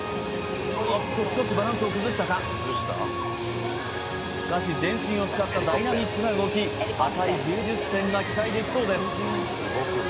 おっと少しバランスを崩したかしかし全身を使ったダイナミックな動き高い芸術点が期待できそうです